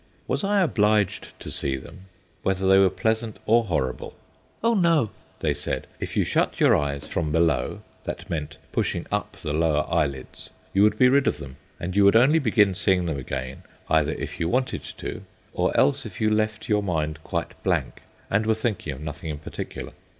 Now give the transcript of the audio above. Was I obliged to see them, whether they were pleasant or horrible? "Oh no," they said; if you shut your eyes from below that meant pushing up the lower eyelids you would be rid of them; and you would only begin seeing them, either if you wanted to, or else if you left your mind quite blank, and were thinking of nothing in particular.